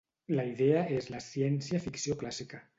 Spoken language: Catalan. La idea és la ciència-ficció clàssica.